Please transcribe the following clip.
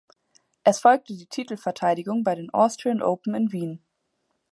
Es folgte die Titelverteidigung bei den "Austrian Open" in Wien.